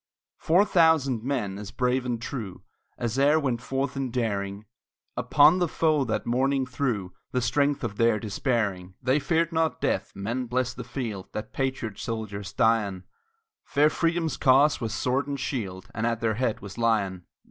Four thousand men, as brave and true As e'er went forth in daring, Upon the foe that morning threw The strength of their despairing. They feared not death men bless the field That patriot soldiers die on; Fair Freedom's cause was sword and shield, And at their head was Lyon.